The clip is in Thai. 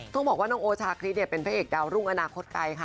ต้องบอกว่าน้องโอชาคริสเป็นพระเอกดาวรุ่งอนาคตไกลค่ะ